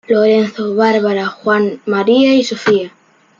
Lorenzo, Bárbara, Juan, María y Sofía.